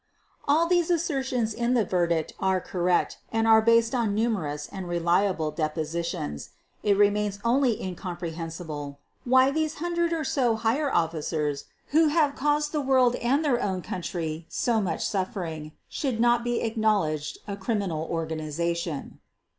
All these assertions in the verdict are correct and are based on numerous and reliable depositions. It remains only incomprehensible why "these hundred or so higher officers" who have caused the world and their own country so much suffering should not be acknowledged a criminal organization.